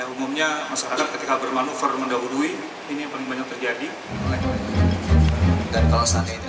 umumnya masyarakat ketika bermanufaul mendahului ini yang paling banyak terjadi